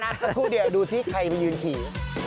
หนูเดี๋ยวดูซิใครไปยืนที่